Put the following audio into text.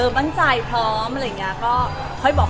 มีทางให้ความสำคัญมันเริ่มมาจากตอนไหน